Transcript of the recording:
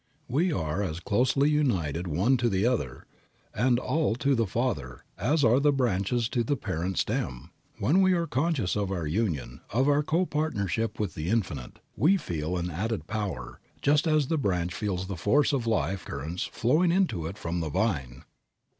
We are as closely united one to the other, and all to the Father as are the branches to the parent stem. When we are conscious of our union, of our co partnership with the Infinite, we feel an added power, just as the branch feels the force of the life currents flowing into it from the vine.